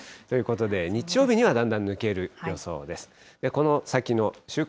ということで、日曜日にはだんだん抜ける予想です。